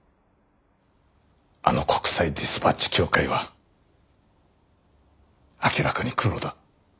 あの国際ディスパッチ協会は明らかにクロだ。